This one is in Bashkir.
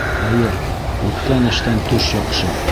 Хәйер, үткән эштән төш яҡшы.